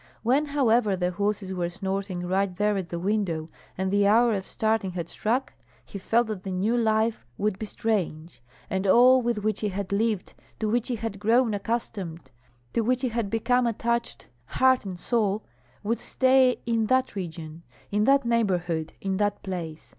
When, however, the horses were snorting right there at the window, and the hour of starting had struck, he felt that the new life would be strange, and all with which he had lived, to which he had grown accustomed, to which he had become attached heart and soul, would stay in that region, in that neighborhood, in that place.